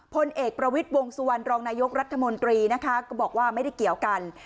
พลเอกประวิทย์วงสุวรรณรองนายกรัฐมนตรีนะคะก็บอกว่าไม่ได้เกี่ยวกัน